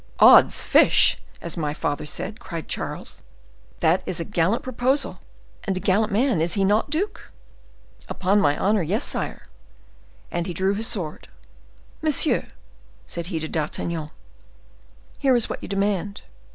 "Odds fish! as my father said," cried Charles. "That is a gallant proposal, and a gallant man, is he not, duke?" "Upon my honor, yes, sire," and he drew his sword. "Monsieur," said he to D'Artagnan, "here is what you demand.